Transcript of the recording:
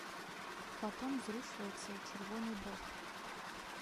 Фатон зрушваецца ў чырвоны бок.